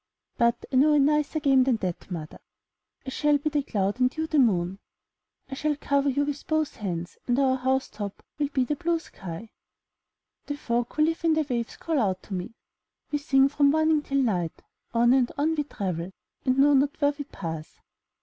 But I know a nicer game than that, mother. I shall be the cloud and you the moon. I shall cover you with both hands, and our house top will be the blue sky. The folk who live in the waves call out to me — *'We sing from morning till night; on and on we travel and know not where we pass.''